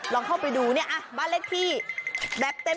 ลองเข้าไปดูเนี่ยบ้านเลขที่แบบเต็ม